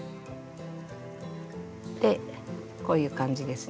でこういう感じですね。